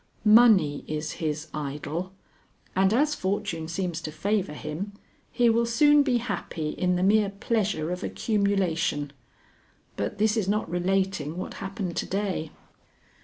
Money is his idol, and as fortune seems to favor him, he will soon be happy in the mere pleasure of accumulation. But this is not relating what happened to day.